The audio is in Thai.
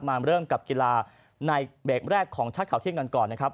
มาเริ่มกับกีฬาในเบรกแรกของชัดข่าวเที่ยงกันก่อนนะครับ